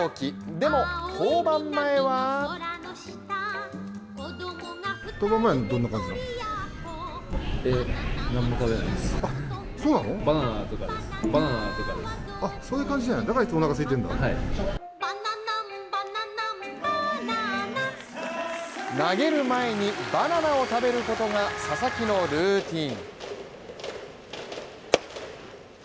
でも、登板前は投げる前にバナナを食べることが佐々木のルーティン。